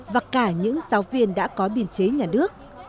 và cả những giáo viên đã có biên chế nhà nước